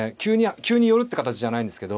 急に寄るって形じゃないんですけど。